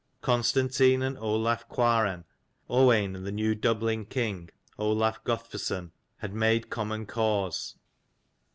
Constantine and Olaf Cuaran, Owain and the new Dublin king Olaf Guthferthson had made common cause.